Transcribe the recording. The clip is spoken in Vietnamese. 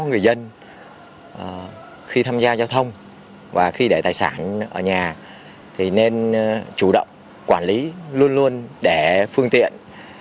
người dân khi tham gia giao thông và khi để tài sản ở nhà thì nên chủ động quản lý luôn luôn để phương tiện